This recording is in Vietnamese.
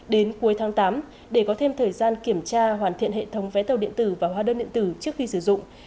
đến cuối tháng tám để có thêm thời gian kiểm tra hoàn thiện hệ thống vé tàu điện tử và hóa đơn điện tử trước khi sử dụng